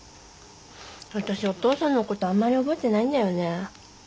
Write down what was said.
あたしお父さんのことあんまり覚えてないんだよね。